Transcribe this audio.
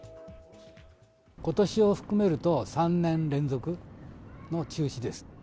ことしを含めると３年連続の中止です。